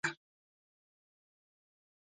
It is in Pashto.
د بولان پټي د افغانستان د کلتوري میراث برخه ده.